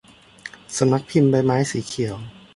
สำนักพิมพ์ใบไม้สีเขียว